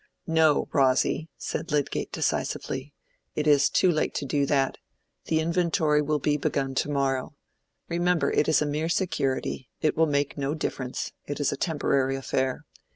"No, Rosy," said Lydgate, decisively. "It is too late to do that. The inventory will be begun to morrow. Remember it is a mere security: it will make no difference: it is a temporary affair.